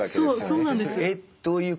そうそうなんです。